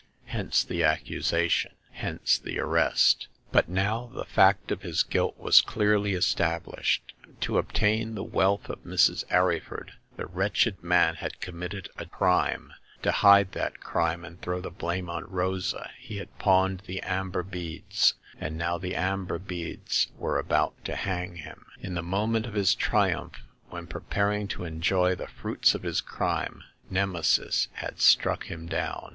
Hence the accusation ; hence the arrest. But now the fact of his guilt was clearly established. To obtain the wealth of Mrs. Arryford the wretched man had commited a crime : to hide 8^ Hagar of the Pawn Shop. that crime and throw the blame on Rosa he had pawned the amber beads ; and now the amber beads were about to hang him. In the moment of his triumph, when preparing to enjoy the fruits of his crime, Nemesis had struck him down.